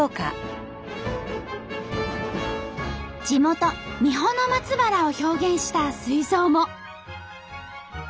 地元三保松原を表現した水槽も。